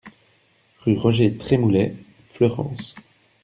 Rue Roger Trémoulet, Fleurance